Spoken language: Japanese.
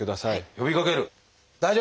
呼びかける。